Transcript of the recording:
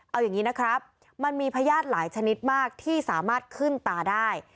เอาอย่างนี้นะครับมันมีพญาติหลายชนิดมากที่สามารถขึ้นตาได้